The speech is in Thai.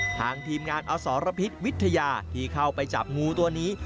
ทีมงานอสรพิษวิทยาที่เข้าไปจับงูตัวนี้